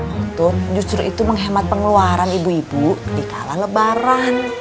untuk justru itu menghemat pengeluaran ibu ibu dikala lebaran